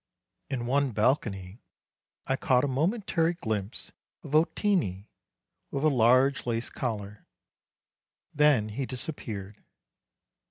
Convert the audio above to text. In one balcony I caught a momentary glimpse of Vo tini, with a large lace collar ; then he disappeared.